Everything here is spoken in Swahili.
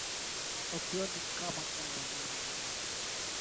opioidi kama Dawa mbadala kwa aina nyingine za utegemezi wa dawa za kulevya